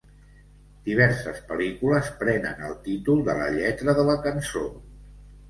Diverses pel·lícules prenen el títol de la lletra de la cançó.